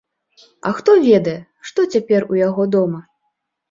А хто ведае, што цяпер у яго дома?